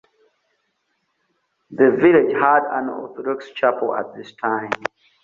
The village had an Orthodox chapel at this time.